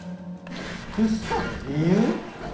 美しさの理由？